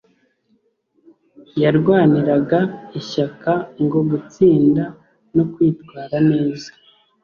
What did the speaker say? yarwaniraga ishyaka ryo gutsinda no kwitwara neza